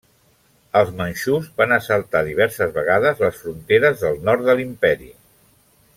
Els manxús van assaltar, diverses vegades, les fronteres del Nord de l'imperi.